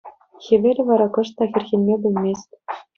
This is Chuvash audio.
Хӗвелӗ вара кӑшт та хӗрхенме пӗлмест.